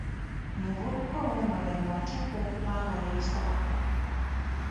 Omuvubuka ow'omulembe ateekwa okuba nga yeefaako.